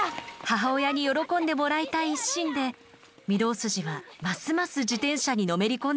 母親に喜んでもらいたい一心で御堂筋はますます自転車にのめり込んでいきます。